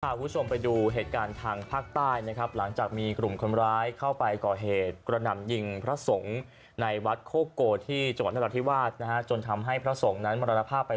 คุณผู้ชมไปดูเหตุการณ์ทางภาคใต้นะครับหลังจากมีกลุ่มคนร้ายเข้าไปก่อเหตุกระหน่ำยิงพระสงฆ์ในวัดโคโกที่จังหวัดนราธิวาสนะฮะจนทำให้พระสงฆ์นั้นมรณภาพไป